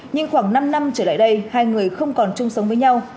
nhưng khoảng năm năm trở lại đây hai người không còn chung sống với nhau